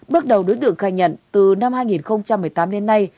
bước đầu đối tượng khai nhận từ năm hai nghìn một mươi tám đến nay